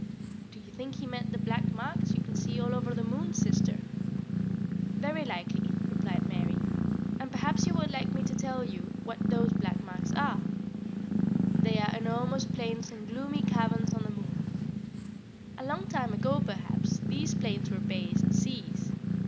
'" "Do you think he meant the black marks you can see all over the moon, sister?" [Illustration: EARTH AS SEEN FROM THE MOON.] SCENERY ON THE MOON. "Very likely," replied Mary; "and perhaps you would like me to tell you what those black marks are. They are enormous plains and gloomy caverns on the moon. A long time ago, perhaps, these plains were bays and seas.